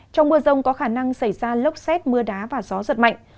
trong mưa rông có khả năng xảy ra lốc xét mưa đá và gió giật mạnh